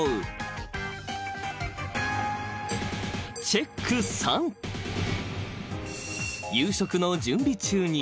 ［チェック３］［娘に］